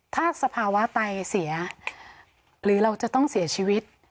ถ้าสภาวะไตเสียหรือเราจะต้องเสียชีวิต